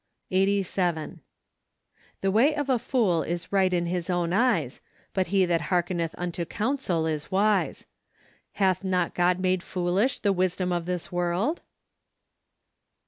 Eighty Seven. " The icay of a fool is right in his own eyes: but he that hearkeneth unto counsel is wise." " Hath not God made foolish the wisdom of this world